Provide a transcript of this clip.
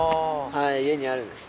はい家にあるんです。